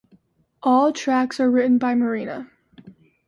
All tracks are written by Marina.